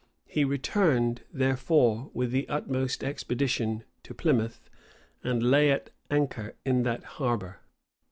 He returned, therefore, with the utmost expedition to Plymouth, and lay at anchor in that harbor.